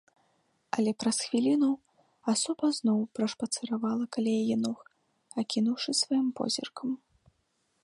Але праз хвіліну асоба зноў прашпацыравала каля яе ног, акінуўшы сваім позіркам.